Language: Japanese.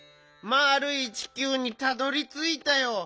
「まあるい地球にたどり着いたよ」